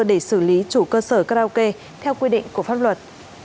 để xử lý chủ cơ sở karaoke theo quy định của pháp luật